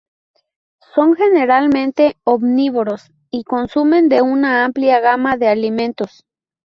Son generalmente omnívoros y consumen de una amplia gama de alimentos.